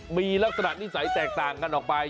มีลักษณะนิสัยแตกต่างกันออกไป